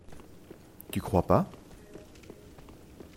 Tu crois pas?